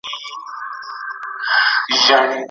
نصیب د جهاني له ستوني زور دی تښتولی